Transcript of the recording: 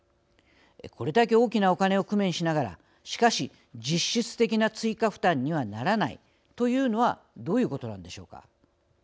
これだけ大きなお金を工面しながらしかし、実質的な追加負担にはならないというのはどういうことなんでしょうか。